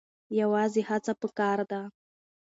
یوازې هڅه پکار ده.